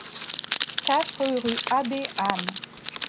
quatre rue Abbé Anne